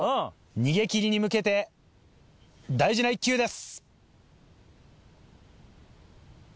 逃げ切りに向けて大事な１球です。